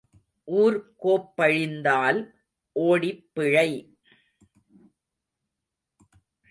ஊர் கோப்பழிந்தால் ஓடிப் பிழை.